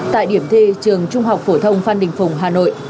tại điểm thi trường trung học phổ thông phan đình phùng hà nội